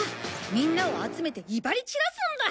みんなを集めて威張り散らすんだ！